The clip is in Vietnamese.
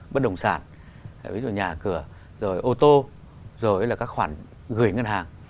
bất đồng sản ví dụ nhà cửa rồi ô tô rồi là các khoản gửi ngân hàng